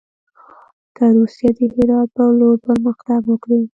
که روسیه د هرات پر لور پرمختګ وکړي.